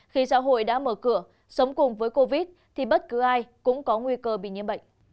khi xã hội đã mở cửa sống cùng với covid thì bất cứ ai cũng có nguy cơ bị nhiễm bệnh